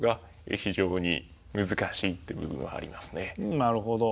なるほど。